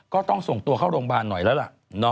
ก็ต้องส่งตัวเข้าโรงพยาบาลหน่อยแล้วล่ะ